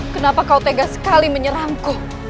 kenapa kau tegas sekali menyerangku